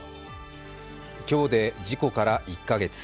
今日で事故から１カ月。